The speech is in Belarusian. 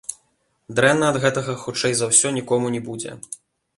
Дрэнна ад гэтага хутчэй за ўсё нікому не будзе.